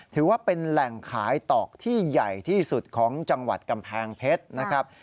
ถือว่าเป็นแหล่งขายตอกที่ใหญ่ที่สุดของจังหวัดกำแพงเพชรนะครับ